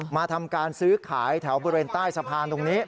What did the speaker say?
มาทำการซื้อขายแถวบริเวณใต้สะพานตรงนี้